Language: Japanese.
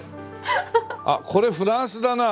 あっこれフランスだな。